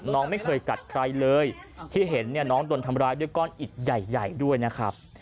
น้องไม่เคยกัดใครเลยที่เห็นเนี่ยน้องโดนทำร้ายด้วยก้อนอิดใหญ่ด้วยนะครับ